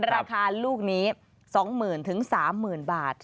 ราคาลูกนี้๒๐๐๐๓๐๐๐บาท